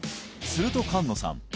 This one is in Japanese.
すると菅野さん